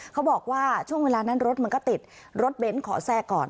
เขาบอกว่าช่วงเวลานั้นรถมันก็ติดรถเบ้นขอแทรกก่อน